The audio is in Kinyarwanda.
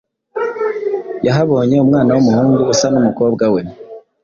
yahabonye umwana w'umuhungu usa n'umukobwa we,